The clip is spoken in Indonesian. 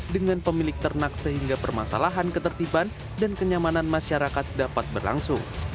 dengan pemilik ternak sehingga permasalahan ketertiban dan kenyamanan masyarakat dapat berlangsung